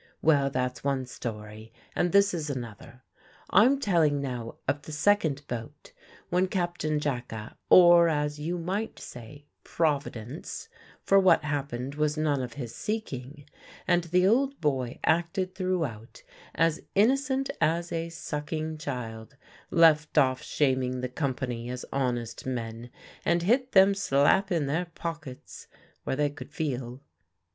Well that's one story and this is another. I'm telling now of the second boat, when Captain Jacka, or, as you might say, Providence for what happened was none of his seeking, and the old boy acted throughout as innocent as a sucking child left off shaming the company as honest men, and hit them slap in their pockets, where they could feel.